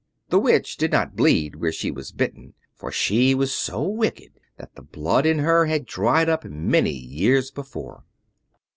The Witch did not bleed where she was bitten, for she was so wicked that the blood in her had dried up many years before.